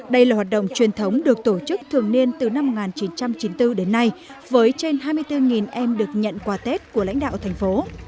đây là hoạt động truyền thống được tổ chức thường niên từ năm một nghìn chín trăm chín mươi bốn đến nay với trên hai mươi bốn em được nhận quà tết của lãnh đạo thành phố